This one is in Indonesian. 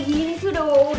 ya telurnya udah gosong